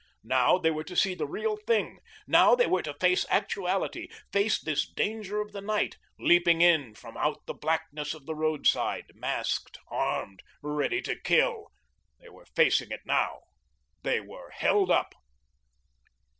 Now they were to see the real thing, now they were to face actuality, face this danger of the night, leaping in from out the blackness of the roadside, masked, armed, ready to kill. They were facing it now. They were held up.